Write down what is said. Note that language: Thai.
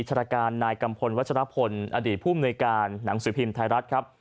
ชารการนายกัมพลวัชรพลอดีตผู้มนุยการหนังสือพิมพ์ไทยรัฐครับ